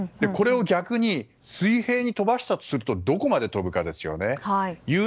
これを逆に水平に飛ばしたとするとどこまで飛ぶかですよね。